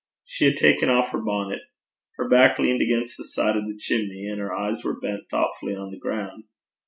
She had taken off her bonnet. Her back leaned against the side of the chimney, and her eyes were bent thoughtfully on the ground.